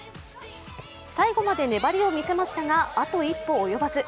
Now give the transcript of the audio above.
最後まで粘りを見せましたが、あと一歩及ばず。